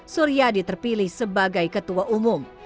suryadi terpilih sebagai ketua umum